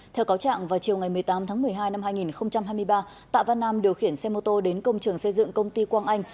theo cáo trạng vào chiều ngày một mươi tám tháng một mươi hai năm hai nghìn hai mươi ba tạ văn nam điều khiển xe mô tô đến công trường xây dựng công ty quang anh